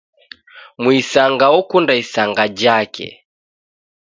Muisanga okunda isanga jake.